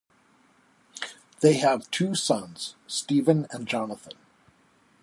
They have two sons, Steven and Jonathon.